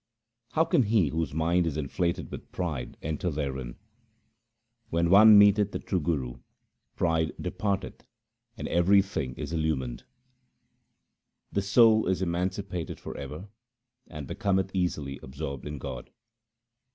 How can he whose mind is inflated with pride enter therein ? When one meeteth the true Guru, pride departeth and everything is illumined. The soul is emancipated for ever, and becometh easily absorbed in God.